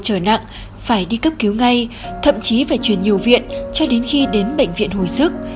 trở nặng phải đi cấp cứu ngay thậm chí phải chuyển nhiều viện cho đến khi đến bệnh viện hồi sức